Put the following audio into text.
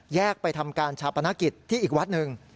ไปทำการชาปนกิจที่อีกวัดหนึ่ง